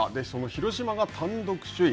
広島が単独首位。